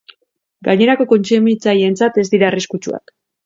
Gainerako kontsumitzaileentzat ez dira arriskutsuak.